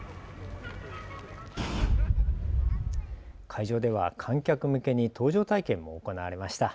会場では観客向けに搭乗体験も行われました。